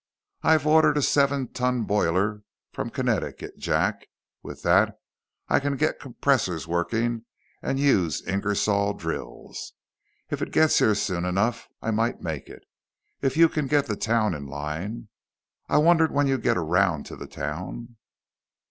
I've ordered a seven ton boiler from Connecticut, Jack. With that, I can get compressors working and use Ingersoll drills. If it gets here soon enough, I might make it. If you can get the town in line...." "I wondered when you'd get around to the town."